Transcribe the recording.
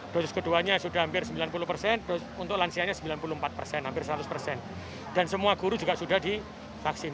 dosis keduanya sudah hampir sembilan puluh untuk lansianya sembilan puluh empat hampir seratus dan semua guru juga sudah di vaksin